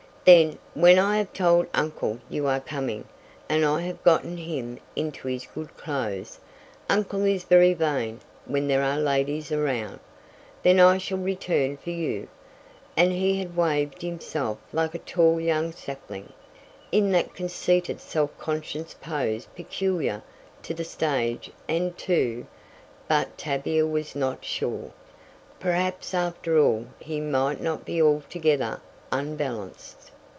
"Then, when I have told uncle you are coming, and I have gotten him into his good clothes uncle is very vain when there are ladies around then I shall return for you," and he had waved himself like a tall young sapling, in that conceited self conscious pose peculiar to the stage and to but Tavia was not sure. Perhaps, after all, he might not be altogether unbalanced.